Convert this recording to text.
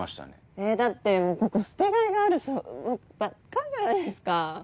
えだってここ捨てがいがあるそもばっかりじゃないですか。